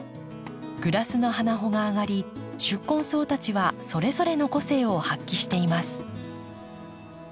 グラスの花穂があがり宿根草たちはそれぞれの個性を発揮しています。